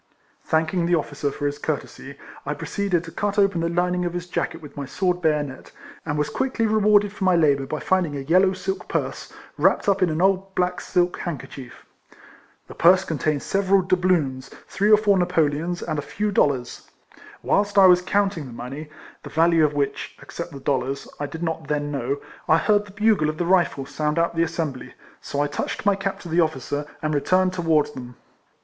Thanking the officer for his courtesy, I proceeded to cut open the lining of his jacket with my sword bayonet, and was quickly rewarded for my labour by finding a yellow silk purse, wrapped up in an old black silk handkerchief. The purse con tained several doubloons, three or four na poleons, and a few dollars. Whilst I was counting the money, the value of which, except the dollars, I did not then know, I heard the bugle of the Rifles sound out the 86 RECOLLECTIONS OF assembly, so I touched my cap to the officer, and returned towards them.